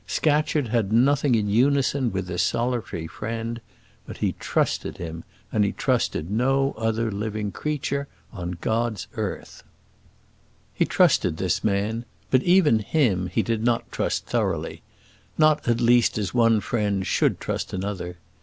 Scatcherd had nothing in unison with this solitary friend; but he trusted him, and he trusted no other living creature on God's earth. He trusted this man; but even him he did not trust thoroughly; not at least as one friend should trust another.